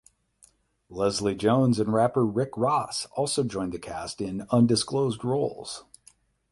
Leslie Jones and rapper Rick Ross also joined the cast in undisclosed roles.